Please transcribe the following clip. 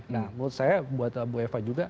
nah menurut saya buat bu eva juga